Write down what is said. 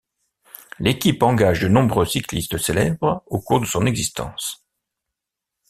L'équipe engage de nombreux cyclistes célèbres au cours de son existence.